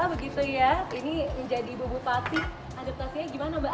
begitu ya ini menjadi ibu bupati adaptasinya gimana mbak